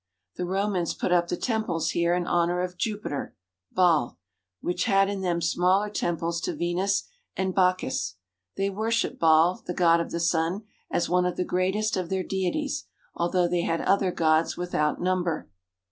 The Romans put up the temples here in honour of Jupiter (Baal), which had in them smaller temples to Venus and Bac chus. They worshipped Baal, the god of the sun, as one of the greatest of their deities, although they had other gods without number.